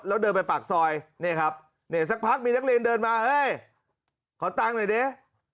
แล้วเดินไปปากซอยนี่ครับเนี่ยสักพักมีนักเรียนเดินมาเฮ้ยขอตังค์หน่อยดิ